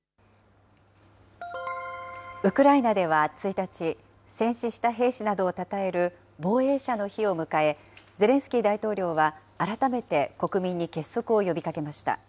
ウクライナでは１日、戦死した兵士などをたたえる防衛者の日を迎え、ゼレンスキー大統領は改めて国民に結束を呼びかけました。